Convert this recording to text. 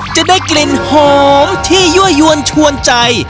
จะได้กลิ่นหอมที่ยั่วยวนชวนใจ